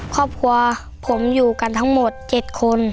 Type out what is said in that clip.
ครอบครัวผมอยู่กันทั้งหมด๗คน